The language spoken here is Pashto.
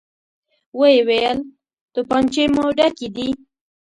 ويې ويل: توپانچې مو ډکې دي؟